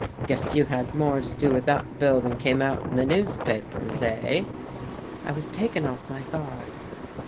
Guess you had more to do with that bill than came out in the newspapers eh?" I was taken off my guard.